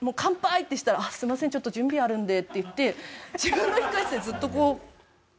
ってしたら「あっすいませんちょっと準備あるんで」って言って自分の控室にずっとこう一人でいれたのでやってました。